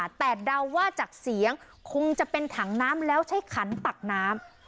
แต่เดาว่าจากเสียงคงจะเป็นถังน้ำแล้วใช้ขันตักน้ำ